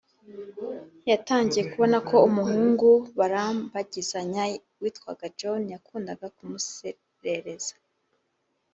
Yatangiye kubona ko umuhungu barambagizanyaga witwaga john yakundaga kumuserereza